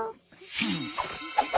フン。